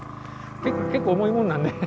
結構重いもんなんで。